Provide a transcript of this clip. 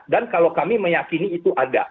dan kalau kami meyakini itu ada